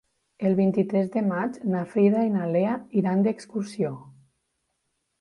El vint-i-tres de maig na Frida i na Lea iran d'excursió.